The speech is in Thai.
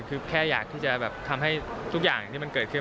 คือแค่อยากที่จะแบบทำให้ทุกอย่างที่มันเกิดขึ้น